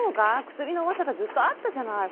クスリのうわさがずっとあったじゃない？